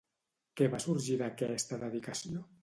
Què va sorgir d'aquesta dedicació?